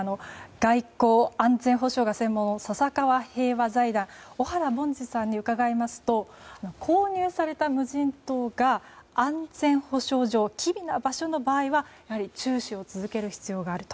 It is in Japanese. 外交・安全保障が専門の笹川平和財団の小原凡司さんに伺いますと購入された無人島が安全保障上機微な場所の場合は、やはり注視を続ける必要があると。